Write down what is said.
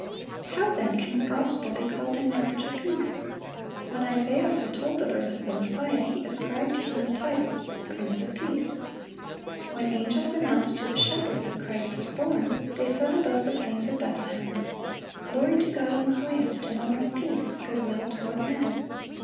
How, then, can the gospel be called a message of peace? When Isaiah foretold the birth of the Messiah, he ascribed to Him the title, "Prince of Peace." When angels announced to the shepherds that Christ was born, they sung above the plains of Bethlehem, "Glory to God in the highest, and on earth peace, good will toward men."